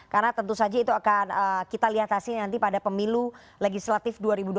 karena tentu saja itu akan kita lihatasi nanti pada pemilu legislatif dua ribu dua puluh empat